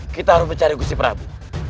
kita harus mencari kursi prabu